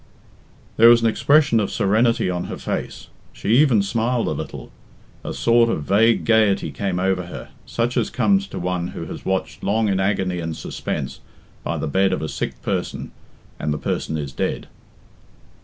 There was an expression of serenity on her face; she even smiled a little. A sort of vague gaiety came over her, such as comes to one who has watched long in agony and suspense by the bed of a sick person and the person is dead.